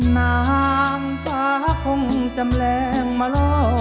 นางฟ้าคงจำแรงมาล่อ